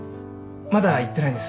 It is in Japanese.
まだ言ってないです。